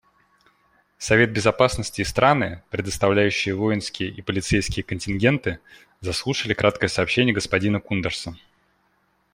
Совет Безопасности и страны, предоставляющие воинские и полицейские контингенты, заслушали краткое сообщение господина Кундерса.